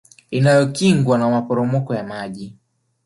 Inayokingwa na maporomoko ya maji